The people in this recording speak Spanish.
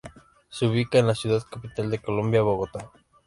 Se ubicaba en la ciudad capital de Colombia, Bogotá.